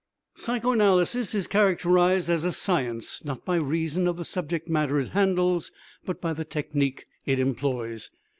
Psychoanalysis is characterized as a science, not by reason of the subject matter it handles but by the technique it employs.